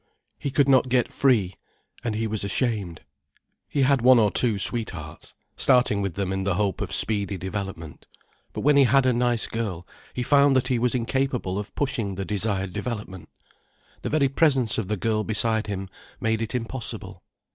He could not get free: and he was ashamed. He had one or two sweethearts, starting with them in the hope of speedy development. But when he had a nice girl, he found that he was incapable of pushing the desired development. The very presence of the girl beside him made it impossible.